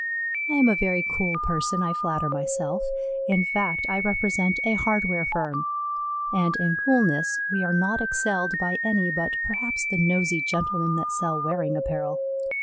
I am a very cool person, I flatter myself; in fact, I represent a hardware firm, and, in coolness, we are not excelled by any but perhaps the nosy gentlemen that sell wearing apparel.